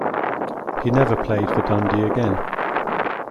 He never played for Dundee again.